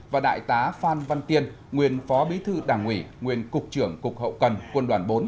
và đại tá phan văn tiên nguyên phó bí thư đảng ủy nguyên cục trưởng cục hậu cần quân đoàn bốn